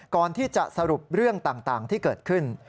ก่อนที่จะสรุปเรื่องต่างที่เกิดขึ้น